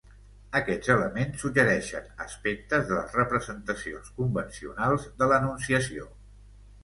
Aquests elements suggereixen aspectes de les representacions convencionals de l'Anunciació.